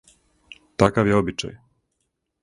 Такав је обичај.